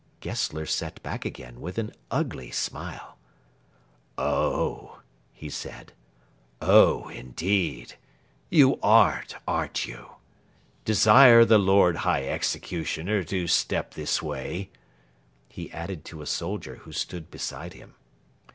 Gessler sat back again with an ugly smile. "Oh," he said "oh, indeed! You aren't, aren't you! Desire the Lord High Executioner to step this way," he added to a soldier who stood beside him.